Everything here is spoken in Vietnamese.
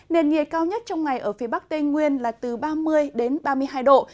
nền nhiệt cao nhất trong ngày ở phía bắc tây nguyên là từ ba mươi đến ba mươi hai độ